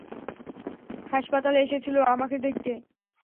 হাসপাতালে এসেছিল আমাকে দেখতে।